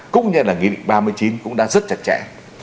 cũng như là nghị định ba mươi chín cũng đã rất chặt chẽ